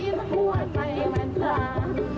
ตัวลูตีคเขาตัวนรก